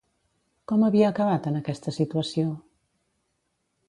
Com havia acabat en aquesta situació?